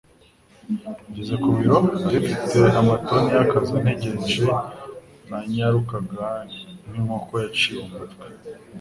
Ngeze ku biro, nari mfite amatoni y'akazi antegereje. Nanyarukaga nkinkoko yaciwe umutwe.